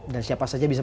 dan siapa saja bisa